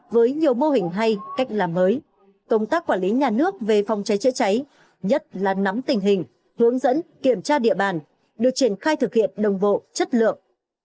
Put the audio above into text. với nhiều mô hình hay cách làm mới công tác quản lý nhà nước về phòng cháy chữa cháy nhất là nắm tình hình hướng dẫn kiểm tra địa bàn được triển khai thực hiện đồng bộ chất lượng